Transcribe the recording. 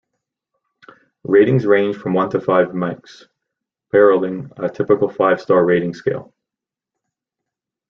Ratings range from one to five mics', paralleling a typical five-star rating scale.